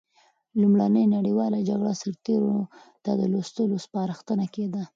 لومړۍ نړیواله جګړه سرتېرو ته د لوستلو سپارښتنه کېده.